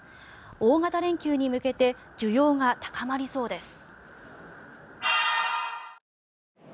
大型連休に向けて需要が高まりそうです。